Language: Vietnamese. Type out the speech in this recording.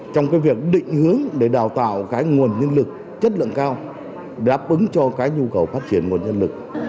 trong cái việc định hướng để đào tạo cái nguồn nhân lực chất lượng cao đáp ứng cho cái nhu cầu phát triển nguồn nhân lực